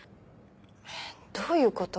えっどういうこと？